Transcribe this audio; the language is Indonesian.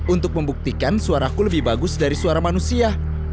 untuk membuktikan suaraku lebih bagus dari suara manusia